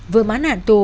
vừa mãn hạn tù